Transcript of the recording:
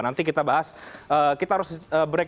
nanti kita bahas kita harus break